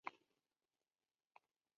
在中共十六大上当选中纪委委员。